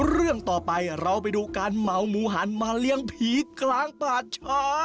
เรื่องต่อไปเราไปดูการเหมาหมูหันมาเลี้ยงผีกลางป่าช้า